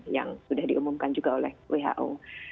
yang sudah diumumkan juga oleh who